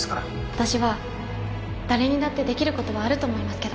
私は誰にだってできることはあると思いますけど